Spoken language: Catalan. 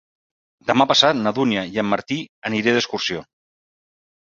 Demà passat na Dúnia i en Martí aniré d'excursió.